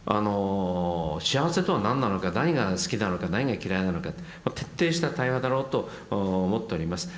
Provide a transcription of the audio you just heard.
幸せとは何なのか何が好きなのか何が嫌いなのか徹底した対話だろうと思っております。